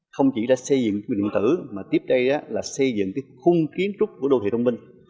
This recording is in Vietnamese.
không chỉ là xây dựng điện tử mà tiếp đây là xây dựng khung kiến trúc của đô thị thông minh